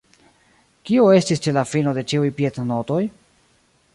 Kio estis ĉe la fino de ĉiuj piednotoj?